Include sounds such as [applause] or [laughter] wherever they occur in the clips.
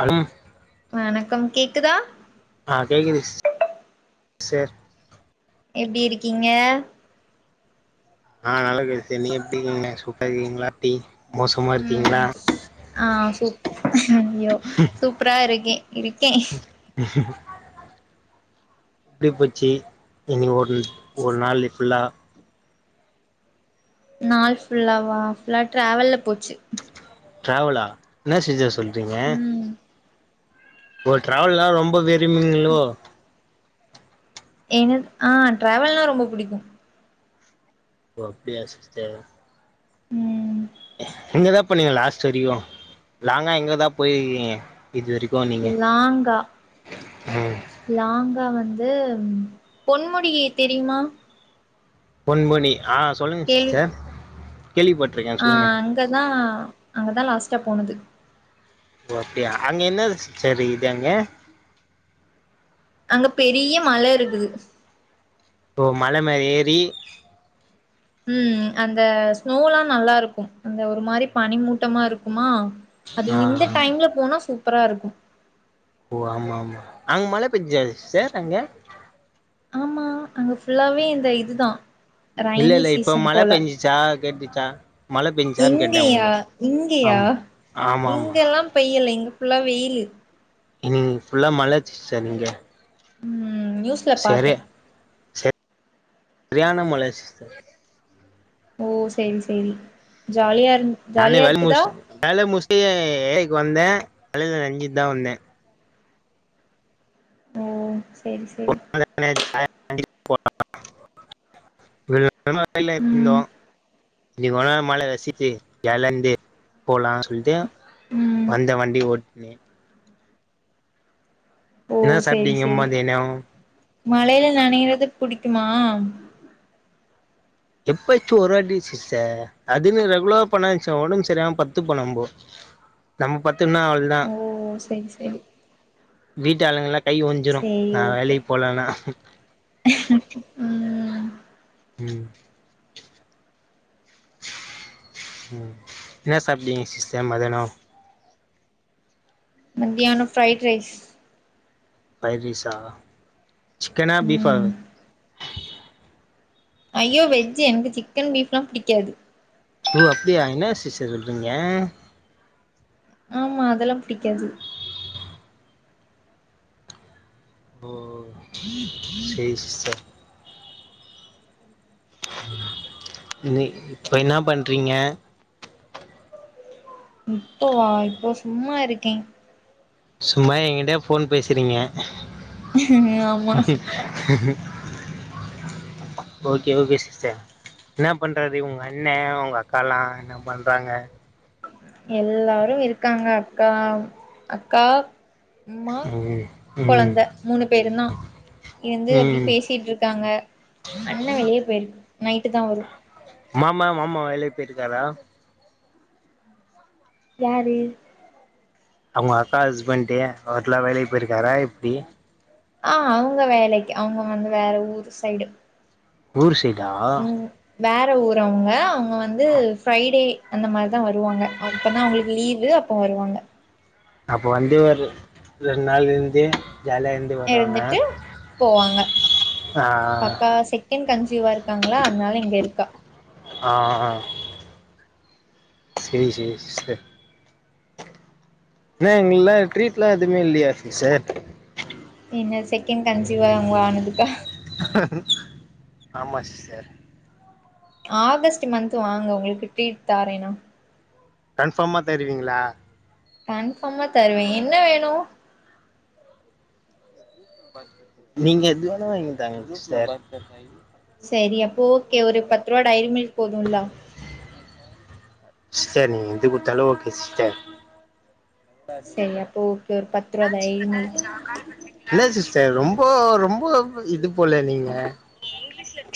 அலி வணக்கம் கேக்குதா ஆ கேக்குது சிஸ் டர் எப்டி இருக்கீங்க ஆ நல்லா இரு ச நீங்க எப்டி இருக்கீங்கள சூப்பா இருக்கீங்களா எப்டி மோசமா இருக்கீங்களா ம் ஆஹ் சூப் ஐயோ சூப்பரா இருக்கே இருக்கே உஹ எப்டி போச்சு இனி ஒரு ஒரு நாள் ஃபுல்லா நாள் ஃபுல்லாவா ஃபுல்லா டிராவல்ல போச்சு ட்ராவலா என்ன சிஸ்ட சொல்றீங்க ம் ஓ டிரராவல்லா ரொம்ப விரும்புவீங்ளோ என்ன ஆ டிராவல்னா ரொம்ப புடிக்கு ஓ அப்டியா சிஸ்டர் ம் எங்கதா போனீங்க லாஸ்ட் வரிக்கு லாங்கா எங்கதா போயிருக்கீங்க இது வரிக்கு ஒன் லாங்கா லாங்கா வந்து பொன்முடி தெரியுமா பொன் மணி ஆ சொல்லுங்க கேள்வி சிஸ்டர் கேள்விப்பட் ஆ அங்கதா அங்கதா லாஸ்ட்டா போனது ஓ அப்டியா அங்க என்னது சிஸ்டர் இக்குது அங்க அங்க பெரிய மழ இருக்குது இப்போ மல மேல ஏறி ம் அந்த ஸ்னோல்லா நல்லா இருக்கு அந்த ஒரு மாரி பனிமூட்டமா இருக்குமா அது இந்த ஆ டைம்ல போனா சூப்பரா இருக்கு ஓ ஆமா ஆமா அங்க மழ பேஞ்சுசா சிஸ்டர் அங்க ஆமா அங்க ஃபுல்லாவே இந்த இதுதா இல்ல ரைனி இல்ல இப்ப சீசன் மழ போல பேஞ்சுச்சா கேட்டுச்சா மழ பேஞ்சுச்சான்னு கேட்டே இங்கயா உங்க ஆமா ஆமா ஆமா எல்லா பையல இங்க ஃபுல்லா வெயிலு ம் ஃபுல்லா மழ சிஸ்டர் இங்க ம் நியூஸ்ல சரி பாத்தே சரியாணா மழ சிஸ்டர் ஓ சரி சரி ஜாலியா இருந் நானே ஜாலியா வேல இருக்குதா முச்சு வேல முச்சு ஏக்கு வந்தே மழைல நனஞ்சுதா வந்தே ஓ சரி சரி நா நேத்து வேல முஞ்சு போ ம் சும்மா லைல இருந்தோ ம் இன்னைக்கு ஒன்னா மழ ரசிச்சு எழந்து போலா சொல்ட்டு ம் வந்த வண்டி ஓட்டினி ஓ என்ன செரி சாப்ட்டீங்க செரி மதியானோ மழைல நனையறது புடிக்குமா எப்பாச்சு ஒரு வாட்டி சிஸ்ட அதுன்னு ரெகுலரா பண்ணா வெச்சுக்கோங்க ஒடம்பு சரியாம பத்துப்போ நம்போ நம் பத்துக்னா அவள்தா ஓ சேரி சேரி வீட்டு ஆளுங்கல்லா கை ஒஞ்சிரும் சேரி நா வேலைக்கு போலன்னா ம் ம் ம் ம் என்ன சாப்டிங்க சிஸ்டர் மதியனோ மத்தியானோ ஃப்ரைட் ரைஸ் ஃபிரைட் ரைஸா சிக்கனா பீஃப்பா ம் ஐயோ வெஜ் எனுக் சிக்கன் பீஃப்லா புடிக்காது ஓ அப்டியா என்னா சிஸ்டர் சொல்றீங்க ஆமா அதெல்லா புடிக்காது ஓ சேரி சிஸ்டர் நீ இப்ப இன்னா பண்றீங்க இப்போவ இப்ப சும்மா இருக்கே சும்மா எங்கிட்ட போன் பேசுறீங்க ஆமா ஓகே ஓகே சிஸ்டர் ன்னா பண்றது உங்க அண்ண உங்க அக்காலா என்ன பண்றாங்க எல்லாரு இருக்காங்க அக்கா அக்கா அம்மா ம் ம் கொழந்த மூணு பேருந்தா இருந்து அப்டி ம் பேசிட்டு இருக்காங்க அண்ணே வெளிய போயிருக் நைட்டு தா வரு மாமா மாமா வேலைக் போயிருக்காரா யாரு அ வுங்க அக்கா ஹஸ்பண்டு அவர்லா வேலைக்கு போயிருக்காரா எப்டி ஆ அவுங்க வேலைக்கி அவுங்க வந்து வேற ஊரு சைய்டு ஊர் சைய்டா வேற ஊர் அவுங்க அவுங்க வந்து ஃபிரை டே அந்த மாரி தா வருவாங்க அப்ப தா அவ்ங்களுக்கு லீவு அப்ப வருவாங்க அப்ப வந்து ஒரு ரெண்ட் நாள் இருந்து ஜாலியா இருந் இருந்துட்டு போவாங்க ஆ அக்கா செகண்ட் கன்சியூவா இருக்காங்களா அதனால இங்க இருக்கா ஆ ஆ சேரி சேரி சிஸ்டர் இன்னா எங்குல்லா ட்ரீட்ல்லா எதுமே இல்லயா சிஸ்டர் என்ன செகண்ட் கன்சிவா அவுங்க ஆனதுக்கா ஆமா சிஸ்டர் ஆகஸ்ட்டு மந்த் வாங்க உங்களுக் டிரீட் தாரே நா கன்ஃபாமா தருவீங்ளா கன்ஃபாமா தருவே என்ன வேணு நீங்க எப்டி வேணா வாங்ஙி தாங்க சிஸ்டர் சரி அப்போ ஓகே ஒரு பத்து ரூவா டைரி மில்க் போதுல்லா சிஸ்டர் நீங்க எது குத்தாலு ஓகே சிஸ்டர் செரி அப்போ ஓகே ஒரு பத்து ரூவா டைரி மில்க் ன்னா சிஸ்டர் ரொம்போ ரொம்போ இது போல நீங்க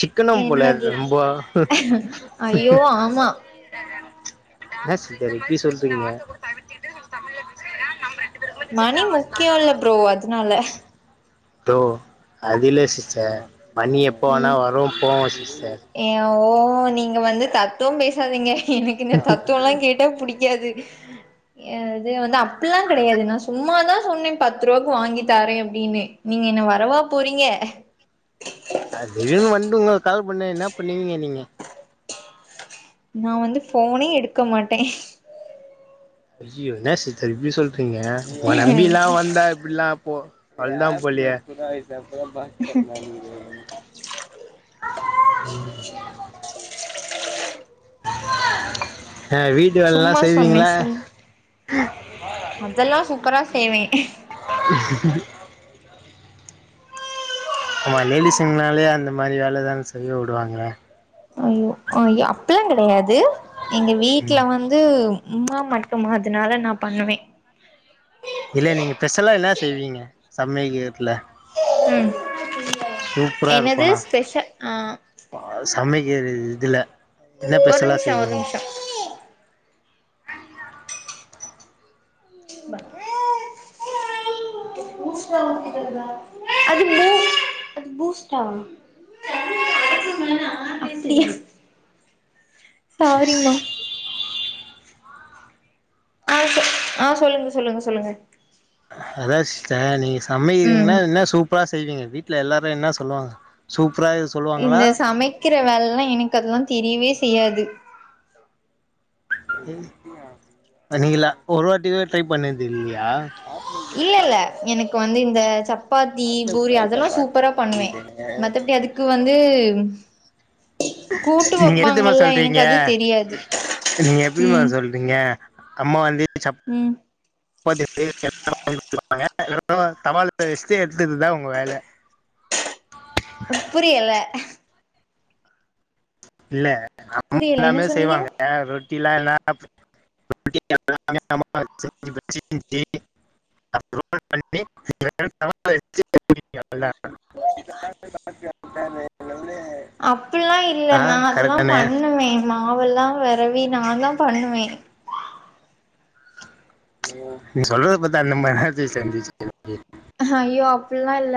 சிக்கனம் போல என்னது ரொம்போ ஐயோ ஆமா ன்னா சிஸ்டர் இப்டி சொல்டிங்க மணி முக்கியோ இல்ல ப்ரோ அதுனால தோ அதுல சிஸ்டர் மணி எப்போ வேனா ம் வரு போவு சிஸ்டர் ஏ ஓ நீங்க வந்து தத்துவோ பேசாதீங்க எனக்கு இந்த தத்துவோல்லா கேட் டா புடிக்காது எ அது வந்து அப்புல்லா கடையாது நா சும்மாதா சொன்னே பத்து ரூபாக்கு வாங்கி தாரே அப்டின்னு நீங்க என்ன வரவா போறீங்க அது திடீர்ன்னு வந்ட்டுங்க கால் பண்ணா என்ன பண்ணுவீங்க நீங்க நா வந்து ஃபோனே எடுக்க மாட்டே ஐயோ என்னா சிஸ்டர் இப்பிடி சொல்றீங்க உங்கள நம்பில்லா வந்தா இப்டிலா போ அவ்ளோதா போலையே ம் ஆ வீட்டு வேலல்லா சும்மா செய்வீங்ள சொன்னே அதல்லா சூப்பரா செய்வே [inaudible] ஆமா லேடிஸுங்னாலே அந்த மாதிரி வேல தான செய்ய உடுவாங்க அய்யோ அய்யோ அப்டில்லா கடையாது எங்க வீட்ல வந்து அம்மா மட்டும் மா அதனால நா பண்ணுவே இல்ல நீங்க ஸ்பெஷலா என்ன செய்வீங்க சமையிக்கத்துல ம் என்னது ஸ்பெஷல் ஆ சமைக்கிறது இதுல என்ன ஒரு ஸ்பெஷலா நிமிஷோ ஒரு செய்வீங்க நிமிஷோ [inaudible] அது அது புஸ்டா [unintelligible] சாரிம்மா ஆ சொல் ஆ சொல்லுங்க சொல்லுங்க சொல்லுங்க அதா சிஸ்டர் நீங்க ம் சமைக்கிறீங்கன்னா என்ன சூப் பரா செய்வீங்க வீட்ல எல்லாரு என்ன சொல்லுவாங்க சூப்பரா இந்த சொல்லுவாங்களா சமைக்கிற வேலேல்லா எனக்கு அதெல்லா தெரியவே செய்யாது நீங்களா ஒரு வாட்டிக்குட ட்ரை பண்ணது இல்லியா இல்லல்ல எனக்கு வந்து இந்த சப்பாத்தி பூரி அதெல்லா சூப்பரா பண்ணுவே மத்தபடி அதுக்கு வந்து கூட்டு நீங்க எப்டி தெரியுமா வைப்பாங்கல்ல எனக்கு சொல்றீங்க அது தெரியாது எப்டி தெரியுமா ம் நீங்க அம்மா வந்து சப் ம் [inaudible] தவால போய் வச்சுட்டு எடுத்ததுதா உங்க வேல புரியல இல்ல அம்மா புரியல என்ன எல்லாமே சொன்னீங்க செய்வாங்க ரொட்டில்லா எல்லா [inaudible] அது ரோல் பண்ணி தவால வெச்சு [inaudible] [inaudible] அப்பில்லா இல்ல ஆ நா அதெல்லா கரெக்ட் தானே பண்ணுவே மாவெல்லா வெரவி நா தா பண்ணுவே நீ சொல்றது பத்தா அந்த மாரிதா சிஸ்டர் இருந்திச்சு ஹைய்யோ அப்பல்லா இல்ல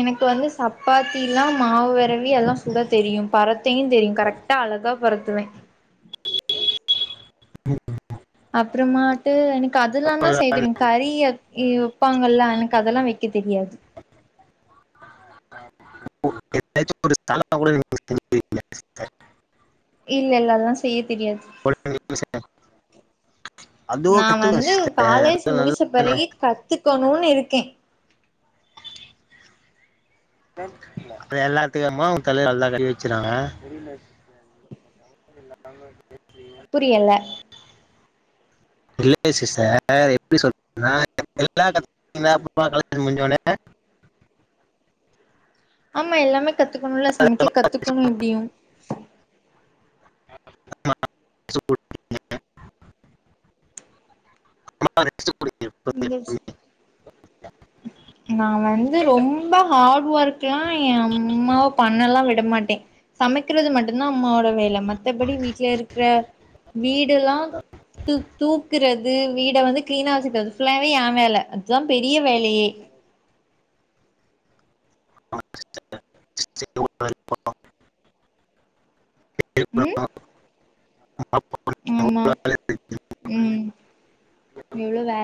எனக்கு வந்து சப்பாத்தில்லா மாவு வெரவி எல்லா சுட தெரியு பறத்தையு தெரியு கரெக்டாக அழகா பறத்துவே [inaudible] அப்றமா டு எனக்கு அதல்லாந் தா செய்த தெரியு கறி இ வைப்பாங்கல்ல எனக்கு அதல்லா வைக்க தெரியாது ஒனக்கு எதாச்சு புடுஸ் தல [inaudible] இல்லல்ல அதல்லா செய்ய தெரியாது [inaudible] அதுவும் நா கத்துக்கணும் வந்து சிஸ்டர் காலேஜ் நல்லது முடுச்ச பிறகே கத்துக்கணுனு இருக்கே அப்ப எல்லாத்துக்கு அம்மா ஒ தலய எல்லா கழுவி வச்சுருவாங்க [unintelligible] புரியல இல்லங்க சிஸ்டர் எப்டி சொல்றதுனா எல்லா [inaudible] முடுஞ்சோனே ஆமா எல்லாமே கத்துக்கணும்ல சமைக்க கத்துக்கணு எப்டியு ஆமா [inaudible] [inaudible] [inaudible] புடிக்கு விங்கல்ஸ் நா வந்து ரொம்ப ஹார்ட் ஒர்க்ல்லா எ அம்மாவ பண்ணல்லா விடமாட்டே சமைக்கிறது மட்டுந்தா அம்மாவோட வேல மத்தபடி வீட்டுலருக்குற வீடல்லா து தூக்குறது வீட வந்து கிளீனா வச்சுக்கிறது ஃபுல்லாவே ஏ வேல அதா பெரிய வேலயே ஒரு ம் ஆமா ம் எவ்ளோ வேல